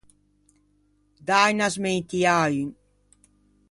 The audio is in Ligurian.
Dâ unna smentia à un.